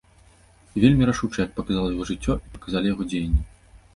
І вельмі рашучы, як паказала яго жыццё і паказалі яго дзеянні.